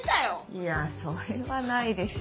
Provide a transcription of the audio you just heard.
いやそれはないでしょ。